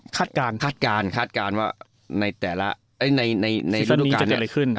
คาดการณ์คาดการณ์คาดการณ์ว่าในแต่ละซีซอนนี้จะเกิดอะไรขึ้น